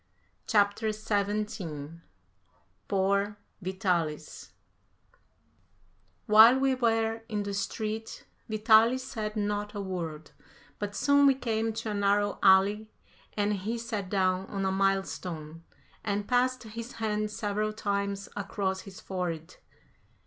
CHAPTER XVII POOR VITALIS While we were in the street Vitalis said not a word, but soon we came to a narrow alley and he sat down on a mile stone and passed his hand several times across his forehead.